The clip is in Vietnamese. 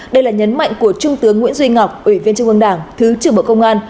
đây là nhấn mạnh của trung tướng nguyễn duy ngọc ủy viên trung ương đảng thứ trưởng bộ công an